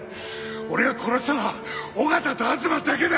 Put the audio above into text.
俺が殺したのは緒方と吾妻だけだ！